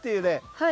はい。